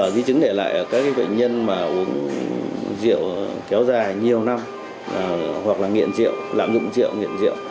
di chứng để lại các bệnh nhân uống rượu kéo dài nhiều năm hoặc là nghiện rượu làm dụng rượu nghiện rượu